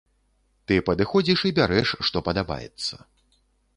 Ты падыходзіш і бярэш што падабаецца.